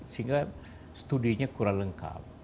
sehingga studinya kurang lengkap